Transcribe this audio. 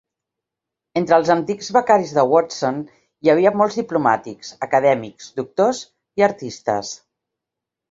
Entre els antics Becaris de Watson hi havia molts diplomàtics, acadèmics, doctors i artistes.